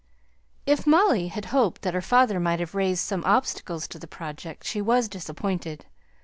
If Molly had hoped that her father might have raised some obstacles to the project, she was disappointed.